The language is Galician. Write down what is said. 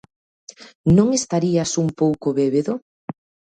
Non estarías un pouco bébedo?